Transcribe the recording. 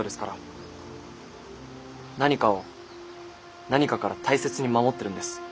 何かを何かから大切に守ってるんです。